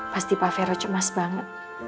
pasti pak vero cemas banget